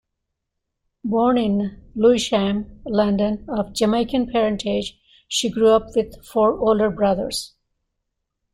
Born in Lewisham, London, of Jamaican parentage, she grew up with four older brothers.